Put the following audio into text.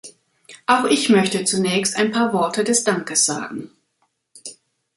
Auch ich möchte zunächst ein paar Worte des Dankes sagen.